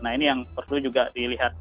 nah ini yang perlu juga dilihat